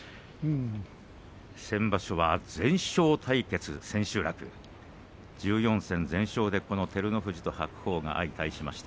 先場所は全勝対決、千秋楽１４戦全勝で照ノ富士と白鵬が相対しました。